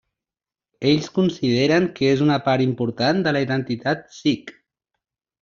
Ells consideren que és una part important de la identitat sikh.